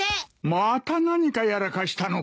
また何かやらかしたのか？